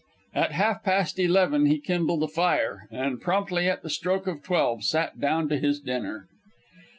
At half past eleven he kindled a fire, and promptly at the stroke of twelve sat down to his dinner.